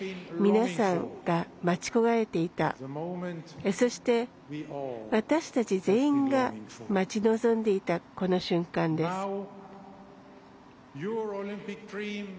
皆さんが待ち焦がれていたそして、私たち全員が待ち望んでいた、この瞬間です。